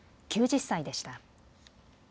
９０歳でした。